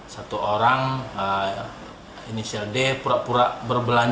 satu orang ini sjelde pura pura berbelakang